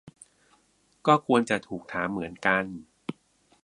ก็ควรจะถูกถามเหมือนกัน